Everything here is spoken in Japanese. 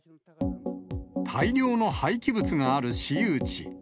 大量の廃棄物がある私有地。